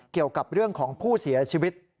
เกี่ยวกับเรื่องของผู้เสียชีวิต